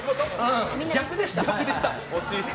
逆でした。